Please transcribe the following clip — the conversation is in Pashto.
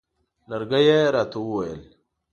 لرګی یې راته وویل.